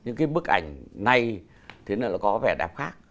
nhưng cái bức ảnh này thì nó có vẻ đẹp khác